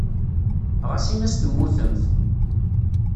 Ɣas in-as temmutemt.